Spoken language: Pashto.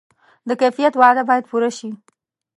د کیفیت وعده باید پوره شي.